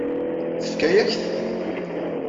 Tefka-yak-t?